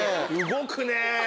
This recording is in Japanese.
動くね！